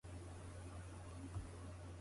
中途採用の途中さ